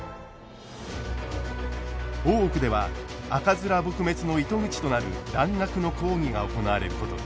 大奥では赤面撲滅の糸口となる蘭学の講義が行われることに。